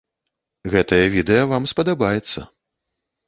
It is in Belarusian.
Гэтае відэа вам спадабаецца.